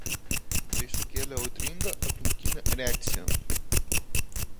Tai sukėlė audringą aplinkinių reakciją.